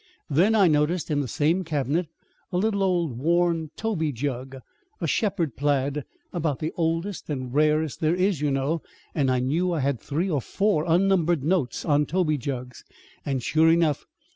"Then I noticed in the same cabinet a little old worn toby jug a shepherd plaid about the oldest and rarest there is, you know; and I knew I had three or four unnumbered notes on toby jugs and, sure enough!